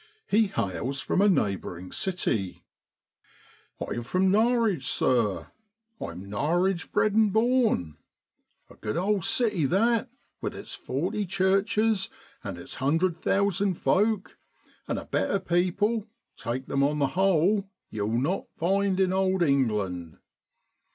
He hails from a neighbouring city: 'I'm from Norwich, sir, I'm Norwich bred and born. A good old city that, with its forty churches L 82 AUGUST IN BEOADLAND. and its 100,000 folk; and a better people, take them on the whole, you'll not find in old England.